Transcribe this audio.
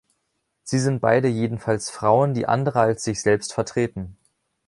Sie sind beide jedenfalls Frauen, die andere als sich selbst vertreten.